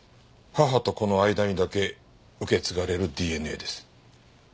母と子の間にだけ受け継がれるＤＮＡです。